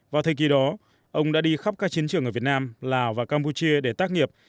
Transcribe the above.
vào thời kỳ đó ông đã đi khắp các chiến trường ở việt nam lào và campuchia để tác nghiệp